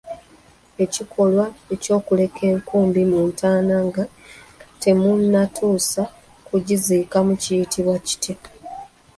Ekikolwa eky'okuleka enkumbi mu ntaana nga temunnatuusa kugiziikamu kiyitibwa kitya?